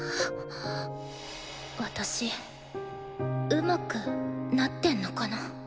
私うまくなってんのかな。